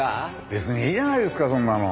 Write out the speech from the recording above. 別にいいじゃないですかそんなの。